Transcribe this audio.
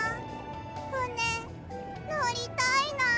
ふねのりたいなあ。